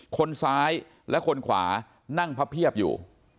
คนซ้ายและคนขวานั่งพับเพียบอยู่